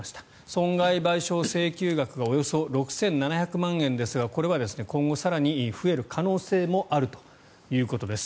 損害賠償請求額がおよそ６７００万円ですがこれは今後、更に増える可能性もあるということです。